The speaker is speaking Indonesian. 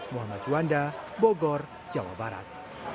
muhammad juanda bogor jawa barat